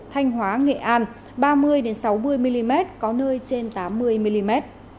thanh hóa nghệ an ba mươi sáu mươi mm có nơi trên tám mươi mm